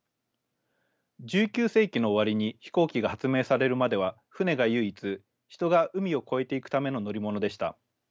１９世紀の終わりに飛行機が発明されるまでは船が唯一人が海を越えていくための乗り物でした。